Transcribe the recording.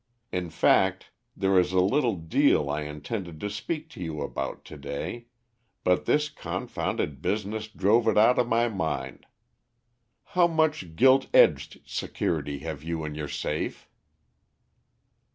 In fact, there is a little deal I intended to speak to you about to day, but this confounded business drove it out of my mind. How much Gilt Edged security have you in your safe?"